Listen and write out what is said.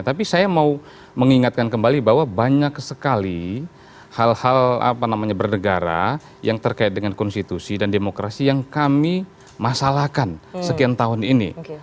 tapi saya mau mengingatkan kembali bahwa banyak sekali hal hal bernegara yang terkait dengan konstitusi dan demokrasi yang kami masalahkan sekian tahun ini